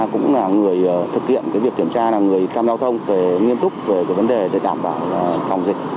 cũng là người thực hiện việc kiểm tra là người cam giao thông về nghiêm túc về vấn đề đảm bảo phòng dịch